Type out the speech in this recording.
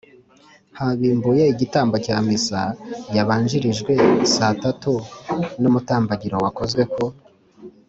habimbuye igitambo cya missa yabanjirijwe saa tatu n’umutambagiro wakozwe ku